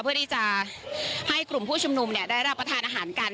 เพื่อที่จะให้กลุ่มผู้ชุมนุมได้รับประทานอาหารกัน